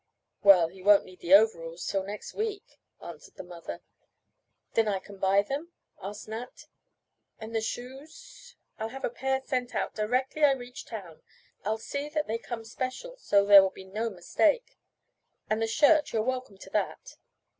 "Well, he won't need the overalls till next week," answered the mother. "Then I can buy them?" asked Nat. "And the shoes " "I'll have a pair sent out directly I reach town. I'll see that they come special so there will be no mistake." "And the shirt you are welcome to that."